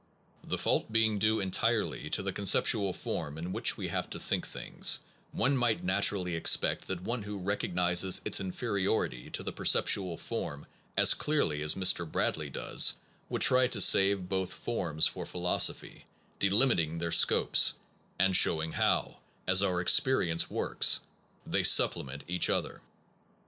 The fault being due entirely to the concep tual form in which we have to think things, one might naturally expect that one who recognizes its inferiority to the perceptual form as clearly as Mr. Bradley does, would try to save both forms for philosophy, delimiting their scopes, and showing how, as our experience works, they supplement each other.